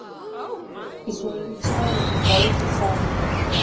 Kiswahili chao ni tofauti sana